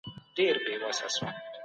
تاسي باید همېشه مثبته هیله ولرئ.